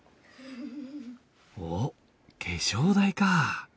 おお化粧台か。